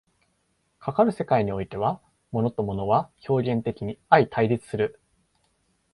かかる世界においては、物と物は表現的に相対立する。